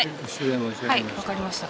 はい分かりました。